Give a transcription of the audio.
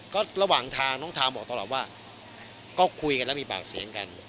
ก็ระหว่างทางน้องทามบอกตลอดว่าก็คุยกันแล้วมีปากเสียงกัน